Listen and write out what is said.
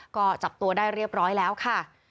ก็จับตัวได้เรียบร้อยแล้วค่ะ